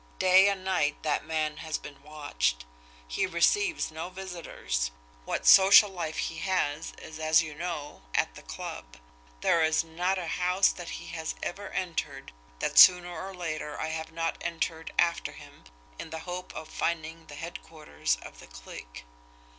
Day and night that man has been watched. He receives no visitors what social life he has is, as you know, at the club. There is not a house that he has ever entered that, sooner or later, I have not entered after him in the hope of finding the headquarters of the clique.